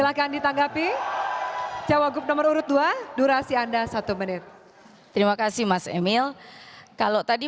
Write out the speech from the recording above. silahkan ditanggapi cawagup nomor urut dua durasi anda satu menit terima kasih mas emil kalau tadi